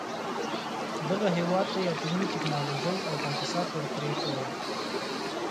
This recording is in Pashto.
دغه هېواد ته يې اټومي ټکنالوژۍ او تاسيسات ور پرېښول.